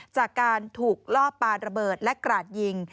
จากการถูกล่อปลาระเบิดและกราดยิง